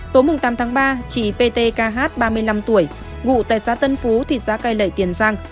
tối tám ba chị pt kh ba mươi năm tuổi ngụ tại xã tân phú thị xã cai lệ tiền giang